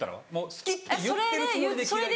好きって言ってるつもりで。